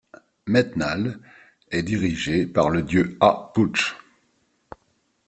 Metnal est dirigé par le dieu Ah Puch.